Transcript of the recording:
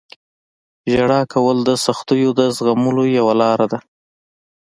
• ژړا کول د سختیو د زغملو یوه لاره ده.